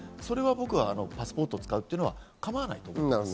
パスポートを使うというのは構わないと思います。